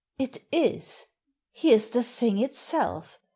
"It is!— Here's the thing itself!